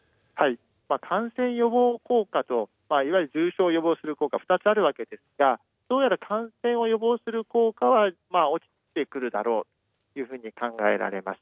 感染予防効果と、いわゆる重症を予防する効果、２つあるわけですが、どうやら感染を予防する効果は落ちてくるだろうというふうに考えられます。